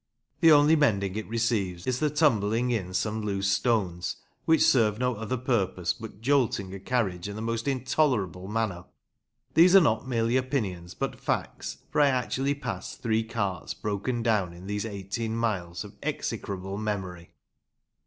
The only mending it receives is the tumbling in some loose stones, which serve no other purpose but jolting a carriage in the most intolerable manner. These are not merely opinions but facts, for I actually passed three carts broken down in these eighteen miles of execrable memory.